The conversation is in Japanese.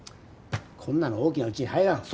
こんなの大きなうちに入らん。